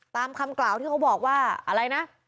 ตามคำกล่าวที่เขาบอกว่าอะไรนะ